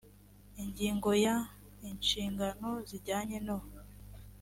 ingingo ya inshingano zijyanye no